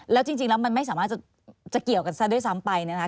แล้วจริงแล้วมันไม่สามารถจะเกี่ยวกันซะด้วยซ้ำไปนะคะ